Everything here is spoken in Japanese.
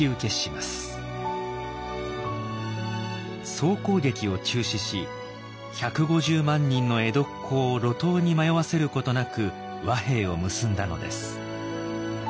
総攻撃を中止し１５０万人の江戸っ子を路頭に迷わせることなく和平を結んだのです。